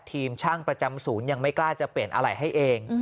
ทีมช่างประจำศูนย์ยังไม่กล้าจะเปลี่ยนอะไรให้เอง